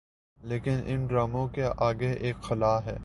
لیکن ان ڈراموں کے آگے ایک خلاہے۔